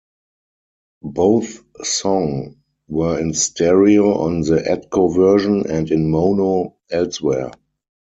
Both song were in stereo on the Atco version and in mono elsewhere.